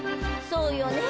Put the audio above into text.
そうよね。